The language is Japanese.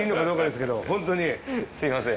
すみません。